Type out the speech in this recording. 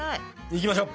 いきましょう。